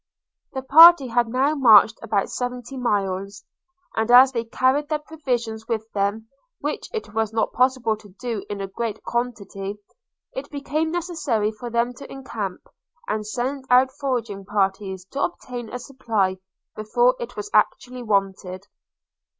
The party had now marched about seventy miles; and as they carried their provisions with them, which it was not possible to do in a great quantity, it became necessary for them to encamp, and send out foraging parties to obtain a supply before it was actually wanted.